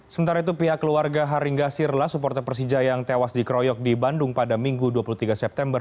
sementara itu pihak keluarga haringga sirla supporter persija yang tewas dikeroyok di bandung pada minggu dua puluh tiga september